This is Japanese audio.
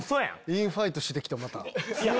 インファイトしてきたまた。